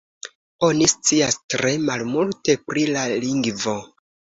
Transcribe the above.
Oni scias tre malmulte pri la lingvo.